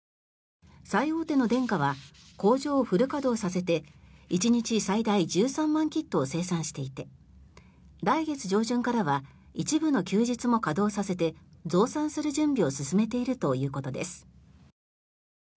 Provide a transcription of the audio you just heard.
最大手のデンカは工場をフル稼働させて１日最大１３万キットを生産していて来月上旬からは一部の休日も稼働させて増産する準備を進めているということです。